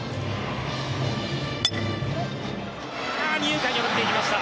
二遊間破っていきました。